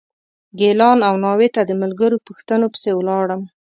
ګیلان او ناوې ته د ملګرو پوښتنو پسې ولاړم.